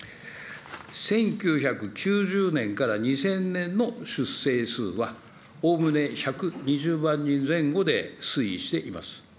１９９０年から２０００年の出生数は、おおむね１２０万人前後で推移しています。